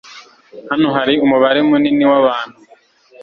hano hari umubare munini wabantu